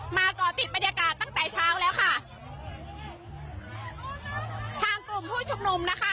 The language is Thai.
ก่อติดบรรยากาศตั้งแต่เช้าแล้วค่ะทางกลุ่มผู้ชุมนุมนะคะ